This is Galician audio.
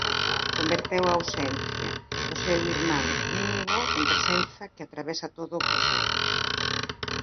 Converteu a ausencia do seu irmán, Íñigo, en presenza que atravesa todo o proxecto.